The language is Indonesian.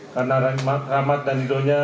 karena rahmat dan hidupnya